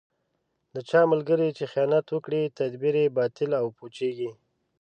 د چا ملګری چې خیانت وکړي، تدبیر یې باطل او پوچېـږي.